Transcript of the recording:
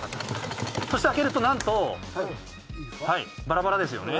そして開けるとなんとバラバラですよね。